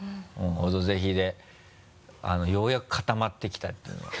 「オドぜひ」でようやく固まってきたっていうのは。